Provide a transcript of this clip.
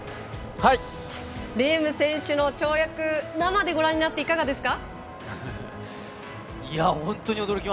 レーム選手の跳躍生でご覧になっていかがですか？